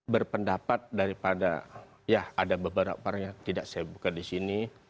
berpendapat daripada ya ada beberapa orang yang tidak saya buka di sini